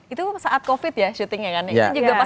itu saat covid ya syutingnya kan ya